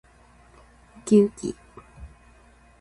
うきうき